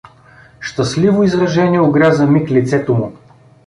Щастливо изражение огря за миг лицето му.